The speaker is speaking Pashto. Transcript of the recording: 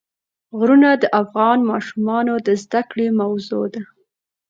غرونه د افغان ماشومانو د زده کړې موضوع ده.